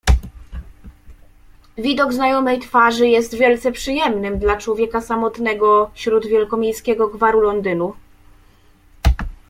"Widok znajomej twarzy jest wielce przyjemnym dla człowieka samotnego śród wielkomiejskiego gwaru Londynu."